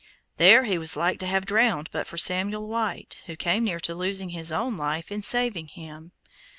There he was like to have drowned but for Samuel White, who came near to losing his own life in saving him.